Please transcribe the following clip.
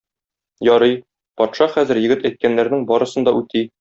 Ярый, патша хәзер егет әйткәннәрнең барысын да үти.